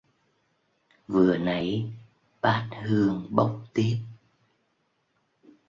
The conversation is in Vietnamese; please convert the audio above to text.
vừa nãy bát hương bốc tiếp